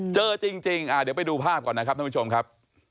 เจอจริงเดี๋ยวไปดูภาพก่อนนะครับท่านผู้ชมครับ